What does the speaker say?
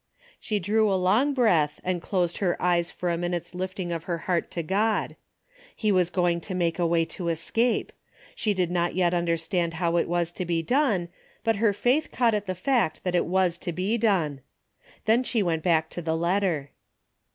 She drew a long breath and closed her eyes for a minute's lifting of her heart to God. He was going to make the way to escape. She did not yet understand how it was to be done, but her faith caught at the fact that it was to be done. Then she went back to the letter.